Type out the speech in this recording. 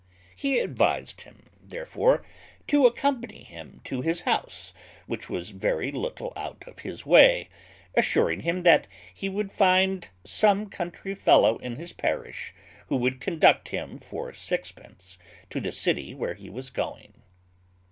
He advised him, therefore, "to accompany him to his house, which was very little out of his way," assuring him "that he would find some country fellow in his parish who would conduct him for sixpence to the city where he was going."